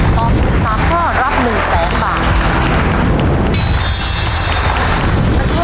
ตอบถูก๓ข้อรับ๑แสนบาท